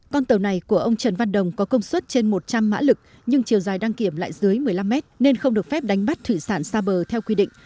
con tàu này của ông trần văn đồng có công suất trên một trăm linh mã lực nhưng chiều dài đang kiểm lại dưới một mươi năm mét nên không được phép đánh bắt thủy sản xa bờ theo quy định